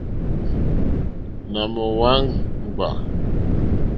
Nà mò wàŋɡbá.